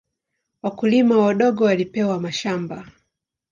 Wakulima wadogo walipewa mashamba.